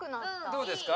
どうですか？